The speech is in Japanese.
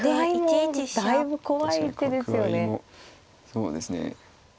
そうですね